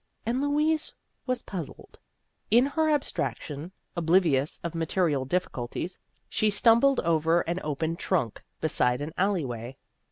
And Louise was puzzled. In her abstraction, oblivious of material difficulties, she stumbled over an open trunk beside an alley way.